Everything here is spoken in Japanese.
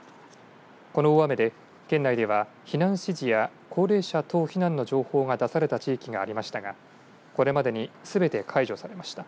この大雨で県内では避難指示や高齢者等避難の情報が出された地域がありましたがこれまでにすべて解除されました。